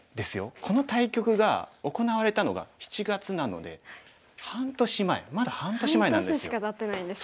この対局が行われたのが７月なので半年前まだ半年前なんですよ。